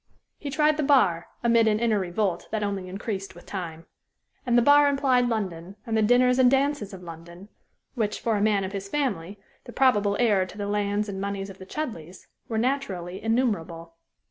He tried the bar, amid an inner revolt that only increased with time. And the bar implied London, and the dinners and dances of London, which, for a man of his family, the probable heir to the lands and moneys of the Chudleighs, were naturally innumerable.